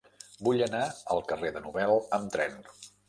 Vull anar al carrer de Nobel amb tren.